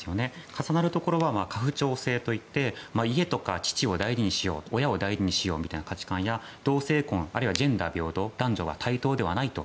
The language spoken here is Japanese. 重なるところは家父長制といって家とか父、親を大事にしようみたいな価値観や同性婚、あるいはジェンダー平等男女は対等ではないと。